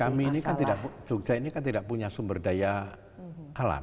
kami ini kan tidak jogja ini kan tidak punya sumber daya alam